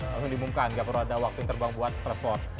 langsung diumumkan gak perlu ada waktu yang terbang buat teleport